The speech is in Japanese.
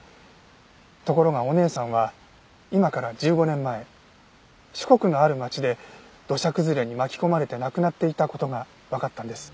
ところがお姉さんは今から１５年前四国のある町で土砂崩れに巻き込まれて亡くなっていた事がわかったんです。